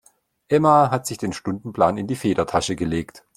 Emma hat sich den Stundenplan in die Federtasche gelegt.